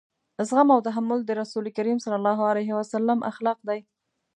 زغم او تحمل د رسول کريم صلی الله علیه وسلم اخلاق دي.